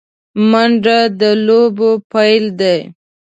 منډه د لوبو پیل دی